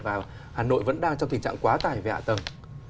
và hà nội vẫn đang trong tình trạng quá tải về hạ tầng